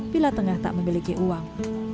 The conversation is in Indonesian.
bila tengah tak memiliki uang